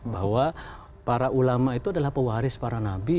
bahwa para ulama itu adalah pewaris para nabi